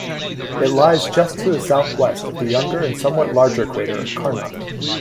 It lies just to the southwest of the younger and somewhat larger crater Carnot.